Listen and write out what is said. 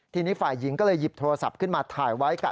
ทีนี้ฝ่ายหญิงก็เลยหยิบโทรศัพท์ขึ้นมาถ่ายไว้ค่ะ